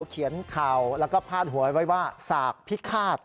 เขียนข่าวแล้วก็พาดหัวไว้ว่าสากพิฆาต